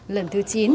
lần thứ chín